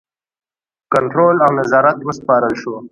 کنټرول او نظارت وسپارل شو.